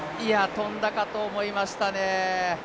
跳んだかと思いましたね。